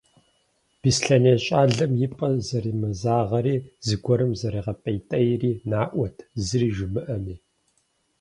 Беслъэней щӏалэр и пӀэм зэримызагъэри зыгуэрым зэригъэпӀейтейри наӀуэт, зыри жимыӀэми.